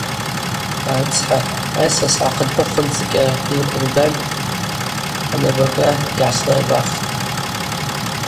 Арыцхӏа, айсра сгӏахъынхӏвыхынцӏкӏьара йынкъвылган, хӏанабага йгӏаслырбахтӏ.